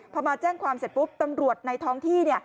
พอมาแจ้งความเสร็จปุ๊บตำรวจในท้องที่